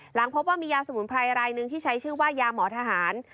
หลังพบว่ามียาสมุนไพรรายหนึ่งที่ใช้ชื่อว่ายาหมอทหาร